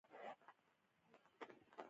د ښځې لوري ليکل شوي څېړنې لټوم